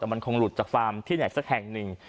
แต่มันคงหลุดจากฟาร์มที่ไหนสักแห่งหนึ่ง